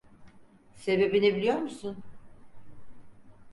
Sebebini biliyor musun?